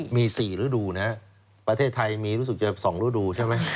มี๔ฤดูนะครับประเทศไทยมีรู้สึกจะ๒ฤดูใช่ไหม